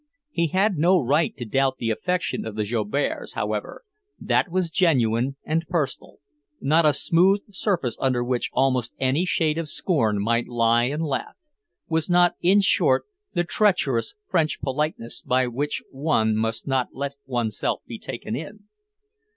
He had no right to doubt the affection of the Jouberts, however; that was genuine and personal, not a smooth surface under which almost any shade of scorn might lie and laugh... was not, in short, the treacherous "French politeness" by which one must not let oneself be taken in.